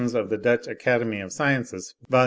of the Dutch Acad. of Sciences,' vol.